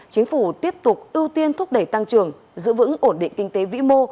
chính phủ tiếp tục ưu tiên thúc đẩy tăng trưởng giữ vững ổn định kinh tế vĩ mô